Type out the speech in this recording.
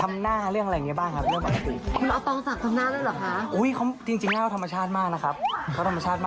มันต้องให้ใครมองหยุดเหง้องก็มีแต่คุณเจ้าหน้าที่ก็ไม่จับ